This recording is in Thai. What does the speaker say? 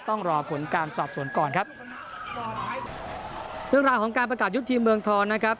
ต้องรอผลการสอบสวนก่อนครับเรื่องราวของการประกาศยุติทีมเมืองทองนะครับ